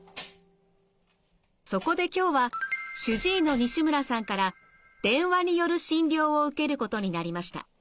そこで今日は主治医の西村さんから電話による診療を受けることになりました。